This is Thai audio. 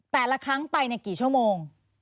แต่ละครั้งไปในกี่ชั่วโมง